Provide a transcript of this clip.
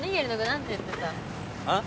何て言ってた？あっ？